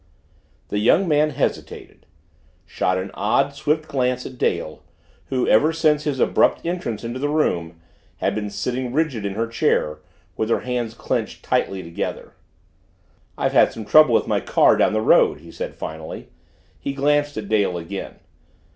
The young man hesitated shot an odd, swift glance at Dale who ever since his abrupt entrance into the room, had been sitting rigid in her chair with her hands clenched tightly together. "I've had some trouble with my car down the road," he said finally. He glanced at Dale again.